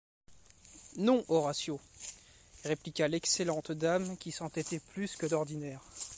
Non, Horatio », répliqua l’excellente dame qui s’entêtait plus que d’ordinaire.